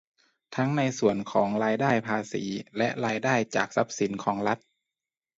ทั้งในส่วนของรายได้ภาษีและรายได้จากทรัพย์สินของรัฐ